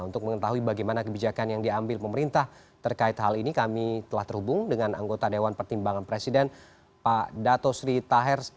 untuk mengetahui bagaimana kebijakan yang diambil pemerintah terkait hal ini kami telah terhubung dengan anggota dewan pertimbangan presiden pak dato sri tahers